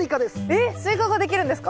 えっスイカができるんですか？